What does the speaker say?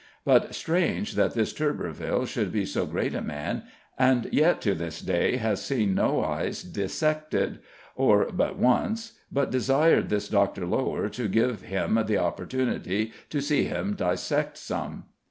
But strange that this Turberville should be so great a man, and yet to this day has seen no eyes dissected, or but once, but desired this Dr. Lowre to give him the opportunity to see him dissect some.